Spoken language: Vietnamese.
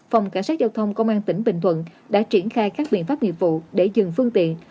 phòng cảnh sát giao thông công an tỉnh bình thuận đã triển khai các biện pháp nghiệp vụ để dừng phương tiện